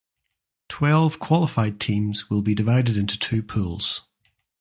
Twelve qualified teams will be divided into two pools.